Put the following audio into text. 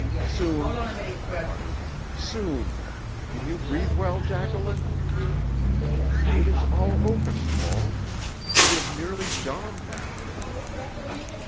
"Soon," I muttered. "Soon. Can you breathe well, Jacqueline?" "It is all open, Paul. It is nearly dawn now."